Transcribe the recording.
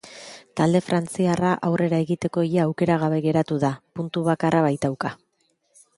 Talde frantziarra aurrera egiteko ia aukera gabe geratu da, puntu bakarra baitauka.